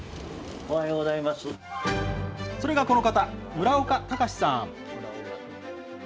それがこの方、村岡孝司さん。